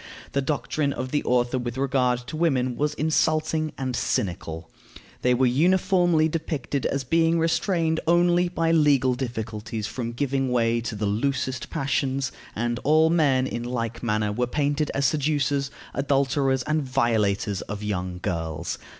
The doctrine of the author with regard to women was insulting and cynical. They were uniformly depicted as being restrained only by legal difficulties from giving way to the loosest passions; and all men, in like manner, were painted as seducers, adulterers, and violators of young girls.